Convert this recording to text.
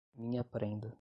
Minha prenda